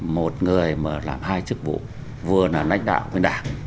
một người mà làm hai chức vụ vừa là lãnh đạo với đảng